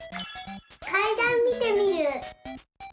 「かいだん」見てみる。